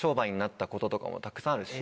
こととかもたくさんあるし。